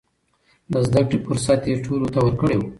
د زده کړې فرصت يې ټولو ته ورکړی و.